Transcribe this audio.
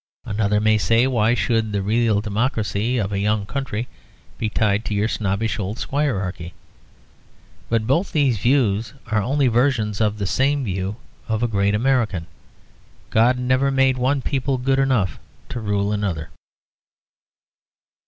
Another may say, "Why should the real democracy of a young country be tied to your snobbish old squirarchy?" But both these views are only versions of the same view of a great American: "God never made one people good enough to rule another."